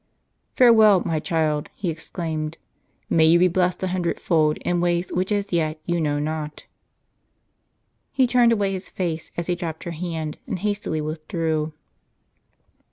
"Farewell, my child," he exclaimed, "may you crch be blessed a hundredfold in ways which as yet you know not." He turned away his face, as he dropped her hand, and hastily withdrew.